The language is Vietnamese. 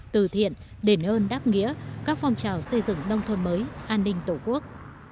từ thiện đền ơn đáp nghĩa các phong trào xây dựng nông thôn mới an ninh tổ quốc